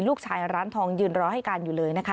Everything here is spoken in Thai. ร้านทองยืนรอให้การอยู่เลยนะคะ